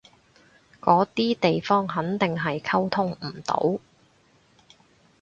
嗰啲地方肯定係溝通唔到